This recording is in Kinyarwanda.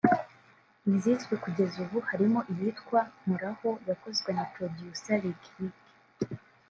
izizwi kugeza ubu harimo iyitwa “Nkoraho” yakozwe na Producer Lick Lick